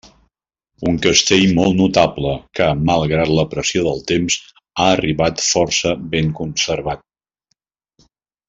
Un castell molt notable que, malgrat la pressió del temps, ha arribat força ben conservat.